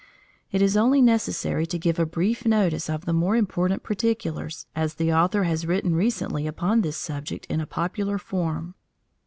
It is only necessary to give a brief notice of the more important particulars, as the author has written recently upon this subject in a popular form.